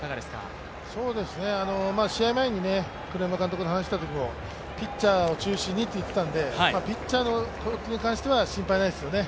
試合前に栗山監督と話したときも、ピッチャーを中心にと言っていたのでピッチャーの投球に関しては心配ないですよね。